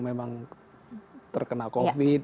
memang terkena covid